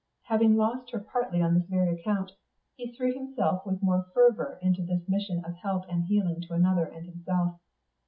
Having lost her partly on this very account, he threw himself with the more fervour into this mission of help and healing to another and himself.